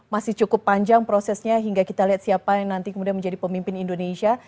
masih cukup panjang prosesnya hingga kita lihat siapa yang nanti kemudian menjadi pemimpin indonesia